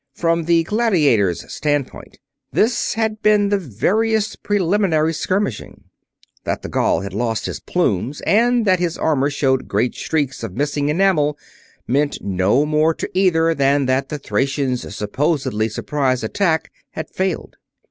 From the gladiators' standpoint, this had been the veriest preliminary skirmishing. That the Gaul had lost his plumes and that his armor showed great streaks of missing enamel meant no more to either than that the Thracian's supposedly surprise attack had failed.